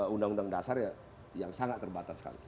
undang undang dasar yang sangat terbatas sekali